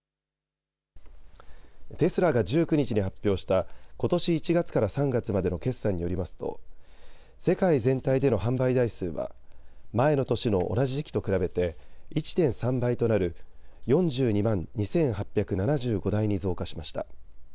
テスラが１９日に発表したことし１月から３月までの決算によりますと世界全体での販売台数は前の年の同じ時期と比べて１．３倍となる４２万２８７５台に増加しました。